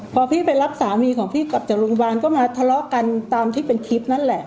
พอพี่ไปรับสามีของพี่กลับจากโรงพยาบาลก็มาทะเลาะกันตามที่เป็นคลิปนั่นแหละ